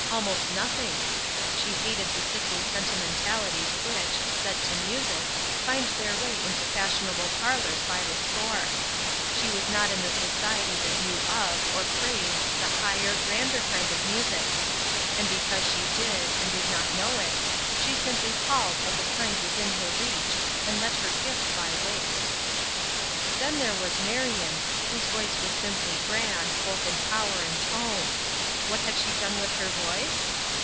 Almost nothing. She hated the sickly sentimentalities which, set to music, find their way into fashionable parlors by the score. She was not in the society that knew of, or craved, the higher, grander kind of music; and because she did, and did not know it, she simply palled of the kind within her reach and let her gift lie waste. Then there was Marion, whose voice was simply grand, both in power and tone. What had she done with her voice?